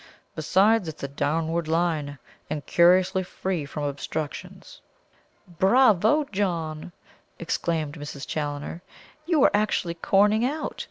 Besides, it's a downward line, and curiously free from obstructions." "Bravo, John!" exclaimed Mrs. Challoner. "You are actually corning out!